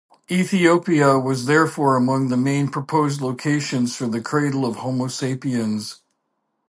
Ethiopia was therefore among the main proposed locations for the cradle of "Homo sapiens".